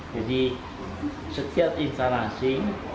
jadi setiap instalasi